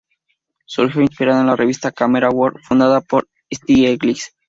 Surgió inspirada en la revista Camera Work fundada por Stieglitz.